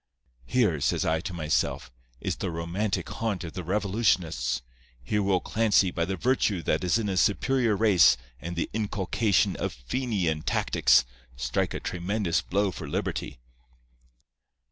'Here,' says I to myself, 'is the romantic haunt of the revolutionists. Here will Clancy, by the virtue that is in a superior race and the inculcation of Fenian tactics, strike a tremendous blow for liberty.